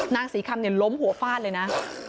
นางศรีคำล้มหัวฟาดเลยนะ